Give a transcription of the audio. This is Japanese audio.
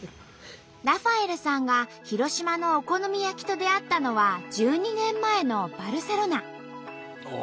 ラファエルさんが広島のお好み焼きと出会ったのは１２年前のバルセロナ。